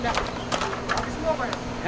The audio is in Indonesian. habis semua pak ya